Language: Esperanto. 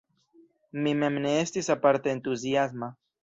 Mi mem ne estis aparte entuziasma.